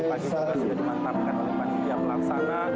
sejak tadi pagi juga sudah dimantapkan oleh pak jidia pelaksana